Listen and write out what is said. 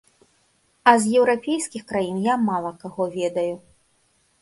А з еўрапейскіх краін я мала каго ведаю.